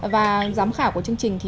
và giám khảo của chương trình